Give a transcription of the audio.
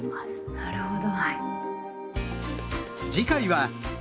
なるほど。